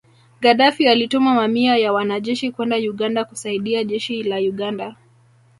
Gadaffi alituma mamia ya wanajeshi kwenda Uganda kusaidia Jeshi la Uganda